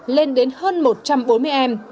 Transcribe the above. lên đến hơn một trăm bốn mươi em